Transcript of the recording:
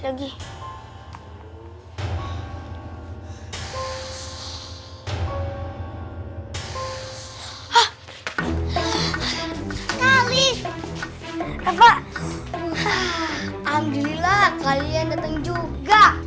ah ah alhamdulillah kalian datang juga